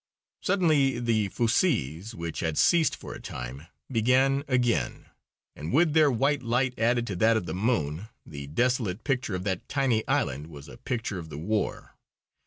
Suddenly the fusées, which had ceased for a time, began again, and with their white light added to that of the moon the desolate picture of that tiny island was a picture of the war.